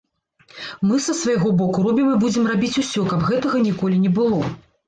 Мы са свайго боку робім і будзем рабіць усё, каб гэтага ніколі не было.